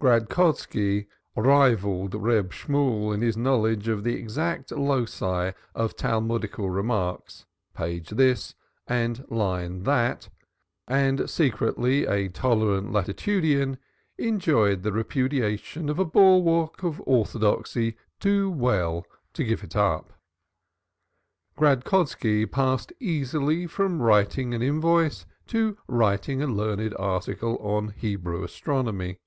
Gradkoski rivalled Reb Shemuel in his knowledge of the exact loci of Talmudical remarks page this, and line that and secretly a tolerant latitudinarian, enjoyed the reputation of a bulwark of orthodoxy too well to give it up. Gradkoski passed easily from writing an invoice to writing a learned article on Hebrew astronomy.